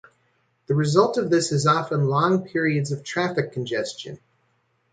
The result of this is often long periods of traffic congestion.